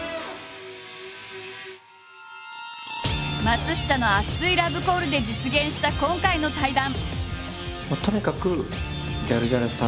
松下の熱いラブコールで実現した今回の対談。